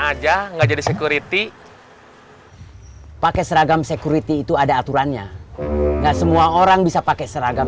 aja enggak jadi security pakai seragam security itu ada aturannya enggak semua orang bisa pakai seragam